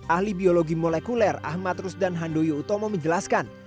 ahli biologi molekuler ahmad rusdan handoyo utomo menjelaskan